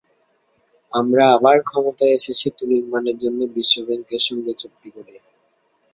আমরা আবার ক্ষমতায় এসে সেতু নির্মাণের জন্য বিশ্বব্যাংকের সঙ্গে চুক্তি করি।